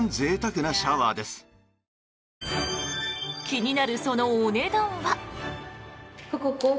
気になるそのお値段は。